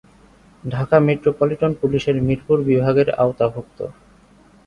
এটি ঢাকা মেট্রোপলিটন পুলিশের মিরপুর বিভাগের আওতাভুক্ত।